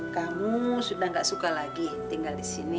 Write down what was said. kamu sudah enggak suka lagi tinggal disini